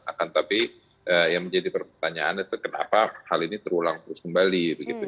akan tapi yang menjadi pertanyaan itu kenapa hal ini terulang terus kembali